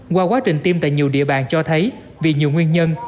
qua quá trình tiêm tại nhiều địa bàn cho thấy vì nhiều nguyên nhân